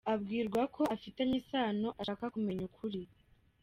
Abwirwa ko bafitanye isano ashaka kumenya ukuri.